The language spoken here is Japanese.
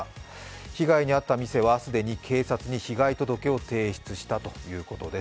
被害に遭った店は既に警察に被害届を提出したということです。